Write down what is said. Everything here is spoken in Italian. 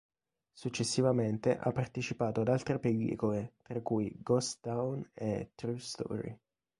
Successivamente ha partecipato ad altre pellicole, tra cui "Ghost Town" e "True Story".